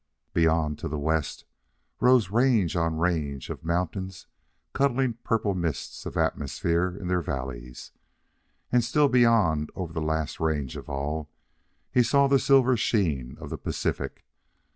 Beyond, to the west, rose range on range of mountains cuddling purple mists of atmosphere in their valleys; and still beyond, over the last range of all, he saw the silver sheen of the Pacific.